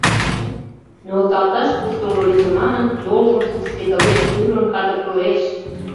Нӧлталалташ куштылго лийже манын, йолжым шупшкедылеш, тӱрлын кадыргылеш.